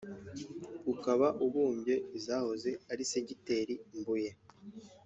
ukaba ubumbye izahoze ari segiteri Mbuye